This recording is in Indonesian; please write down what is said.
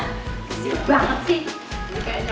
kesiut banget sih